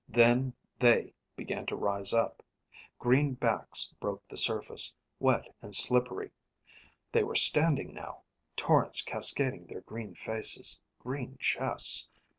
Then they began to rise up. Green backs broke the surface, wet and slippery. They were standing now, torrents cascading their green faces, green chests.